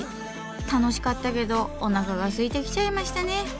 楽しかったけどおなかがすいてきちゃいましたね。